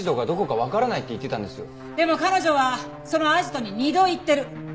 でも彼女はそのアジトに２度行ってる。